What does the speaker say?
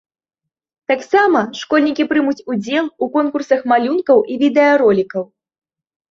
Таксама школьнікі прымуць удзел у конкурсах малюнкаў і відэаролікаў.